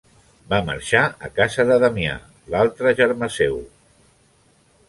Va marxar a casa de Damià, l'altre germà seu.